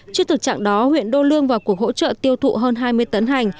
trước thực trạng đó huyện đô lương vào cuộc hỗ trợ tiêu thụ hơn hai mươi tấn hành